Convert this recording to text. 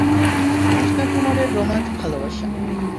কৃষ্ণা কুমারের রোমাঞ্চ ভালোবাসা!